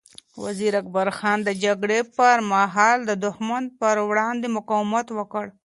وزیر اکبر خان د جګړې پر مهال د دښمن پر وړاندې مقاومت وکړ.